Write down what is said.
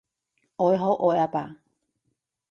我好愛阿爸